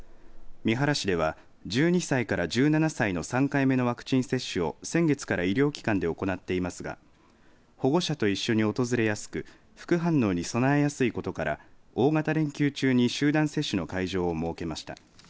三原市では１２歳から１７歳の３回目のワクチン接種を先月から医療機関で行っていますが保護者と一緒に訪れやすく副反応に備えやすいことから大型連休中に集団接種の会場を設けました。